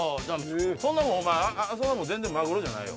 そんなもん全然マグロじゃないよ！